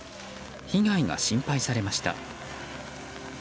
被害が心配されました。